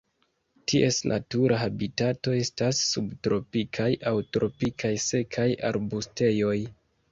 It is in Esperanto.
Ties natura habitato estas subtropikaj aŭ tropikaj sekaj arbustejoj.